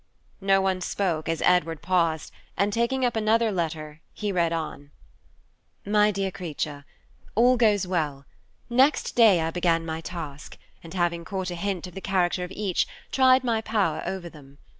No one spoke as Edward paused, and taking up another letter, he read on: "My Dear Creature: "All goes well. Next day I began my task, and having caught a hint of the character of each, tried my power over them.